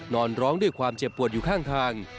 นอนร้องด้วยความเจ็บปวดอยู่ข้างทาง